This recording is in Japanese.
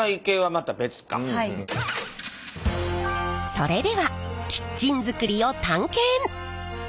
それではキッチン作りを探検！